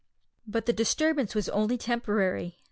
But the disturbance was only temporary.